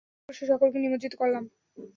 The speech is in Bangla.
তারপর অবশিষ্ট সকলকে নিমজ্জিত করলাম।